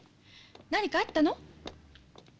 何かあったの？